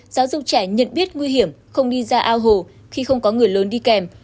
giáo dục trẻ nhận biết nguy hiểm không đi ra ao hồ khi không có người lớn đi kèm